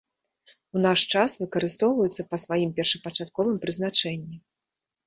У наш час выкарыстоўваюцца па сваім першапачатковым прызначэнні.